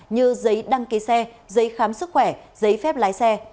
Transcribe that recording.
như giấy đăng ký xe giấy khám sức khỏe giấy phép lái xe